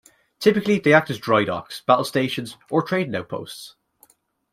Typically they act as drydocks, battle stations or trading outposts.